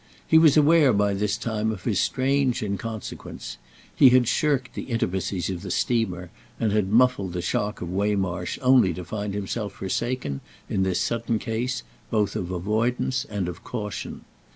He was aware by this time of his strange inconsequence: he had shirked the intimacies of the steamer and had muffled the shock of Waymarsh only to find himself forsaken, in this sudden case, both of avoidance and of caution.